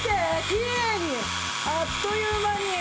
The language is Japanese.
きれいにあっという間に。